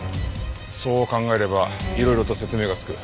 そう考えればいろいろと説明がつく。